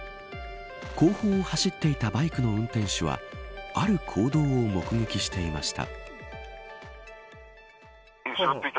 後方を走っていたバイクの運転手は、ある行動を目撃していました。